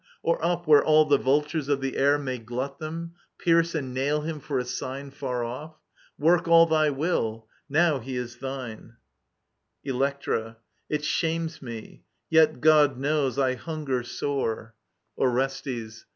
Or up, where all the vultures of the air May glut them, pierce and nail him for a sign Far oflF? Work all thy will. Now he is thine. Digitized by VjOOQIC 58 EURIPIDES Dlectra, It shames me ; yet, God knows, I hunger sore — Orestes.